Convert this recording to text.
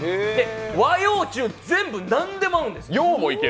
和洋中、全部何でも合うんです。